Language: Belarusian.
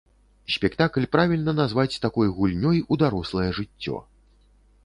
Спектакль правільна назваць такой гульнёй у дарослае жыццё.